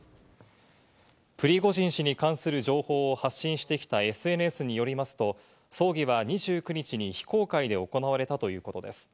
プリゴジン氏に関する情報を発信してきたＳＮＳによりますと、葬儀は２９日に非公開で行われたということです。